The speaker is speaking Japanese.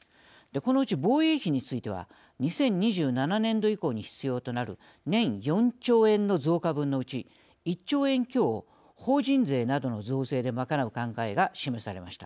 このうち、防衛費については２０２７年度以降に必要となる年４兆円の増加分のうち１兆円強を法人税などの増税で賄う考えが示されました。